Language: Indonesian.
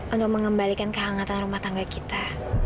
untuk mengembalikan kehangatan rumah tangga kita